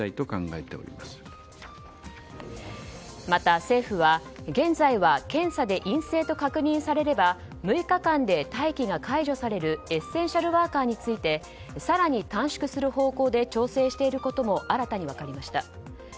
また政府は、現在は検査で陰性と確認されれば６日間で待機が解除されるエッセンシャルワーカーについて更に短縮する方向で調整していることも新たに分かりました。